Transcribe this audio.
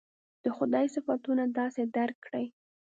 د خدای صفتونه داسې درک کړي.